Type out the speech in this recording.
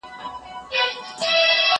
چايي د زهشوم له خوا څښل کيږي،